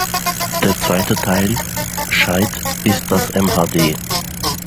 Der zweite Teil "scheid" ist das mhd.